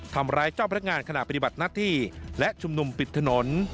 ทำร้ายเจ้าพนักงานขณะปฏิบัติหน้าที่และชุมนุมปิดถนน